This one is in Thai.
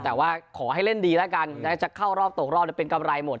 แต่ว่าขอให้เล่นดีแล้วกันจะเข้ารอบตกรอบเป็นกำไรหมด